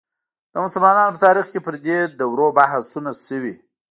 د مسلمانانو په تاریخ کې پر دې دورو بحثونه شوي.